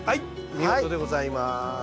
見事でございます。